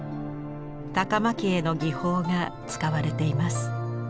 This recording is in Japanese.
高蒔絵の技法が使われています。